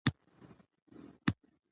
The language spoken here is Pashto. تاسو په نیمه شپه کې هم پیسې لیږدولی شئ.